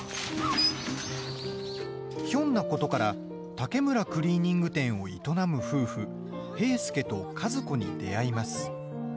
ひょんなことから竹村クリーニング店を営む夫婦平助と和子に出会います。